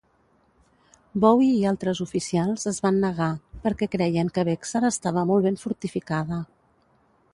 Bowie i altres oficials es van negar, perquè creien que Bexar estava molt ben fortificada.